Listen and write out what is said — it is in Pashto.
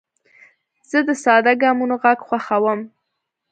زه د ساده ګامونو غږ خوښوم.